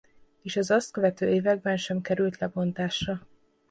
És az azt követő években sem került lebontásra.